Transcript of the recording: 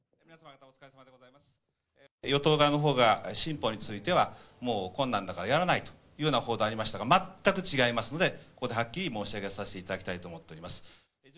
与党側のほうが、新法についてはもう困難だからやらないという報道がありましたが、全く違いますので、ここではっきり申し述べさせていただきたいと思います。